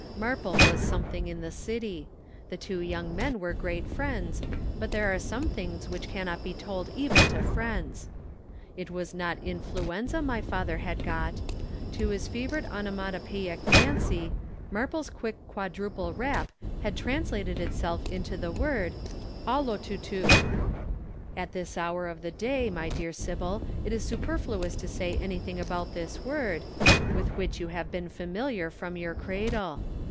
Marple was something in the city. The two young men were great friends, but there are some things which cannot be told even to friends. It was not influenza my father had got. To his fevered onomatopoeic fancy, Marple's quick quadruple rap had translated itself into the word: OLOTUTU. "'At this hour of the day, my dear Sybil, it is superfluous to say anything about this word, with which you have been familiar from your cradle.